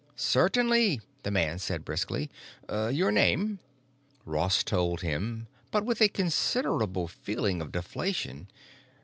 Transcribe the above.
"Certainly," the man said briskly. "Your name?" Ross told him, but with a considerable feeling of deflation.